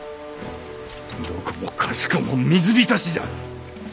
どこもかしこも水浸しじゃ！